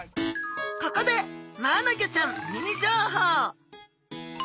ここでマアナゴちゃんミニ情報。